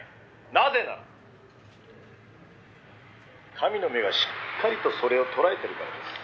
「なぜなら神の目がしっかりとそれを捉えているからです」